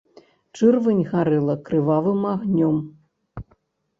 Чырвань гарэла крывавым агнём.